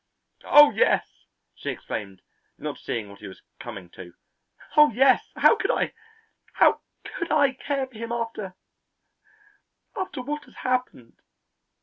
"Oh, yes," she exclaimed, not seeing what he was coming to. "Oh, yes; how could I how could I care for him after after what has happened?"